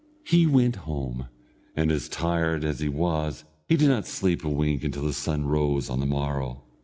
He went home, and as tired as he was he did not sleep a wink until the sun rose on the morrow.